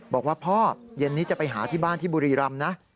บอกว่าพ่อเย็นนี้จะไปหาที่บ้านที่บุรีรำนะ